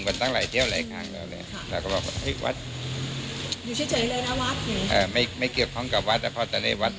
เราก็บอกว่า